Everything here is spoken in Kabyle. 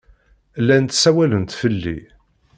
Llant ssawalent fell-i.